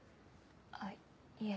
あっいえ